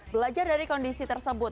belajar dari kondisi tersebut